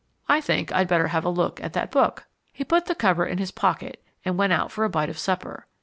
"I think I'd better have a look at that book." He put the cover in his pocket and went out for a bite of supper.